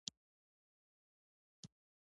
د پسته دانه د وینې لپاره وکاروئ